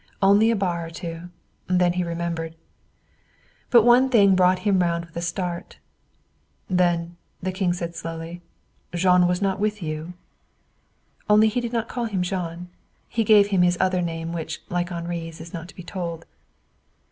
Only a bar or two. Then he remembered. But one thing brought him round with a start. "Then," said the King slowly, "Jean was not with you?" Only he did not call him Jean. He gave him his other name, which, like Henri's, is not to be told.